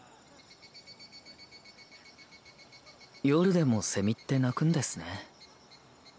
夜でもセミって鳴くんですね。